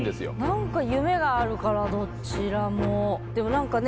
何か夢があるからどちらもでも何かね